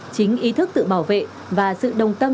chính ý thức tự bảo vệ và sự đồng tâm